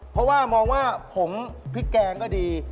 เพราะว่ามองว่าผมพริกแกงก็ดี